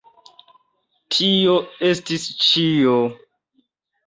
Tio estis ĉio.